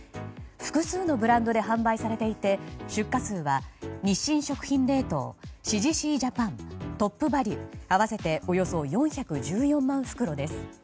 複数のブランドで販売されていて出荷数は日清食品冷凍シジシージャパントップバリュ合わせておよそ４１４万袋です。